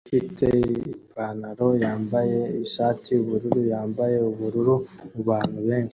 Umuhungu ufite Ipanaro yambaye ishati yubururu yambaye ubururu mubantu benshi